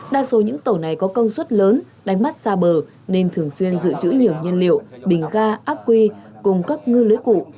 đa số những tàu này có công suất lớn đánh mắt xa bờ nên thường xuyên giữ chữ nhiều nhân liệu bình ga ác quy cùng các ngư lưới cụ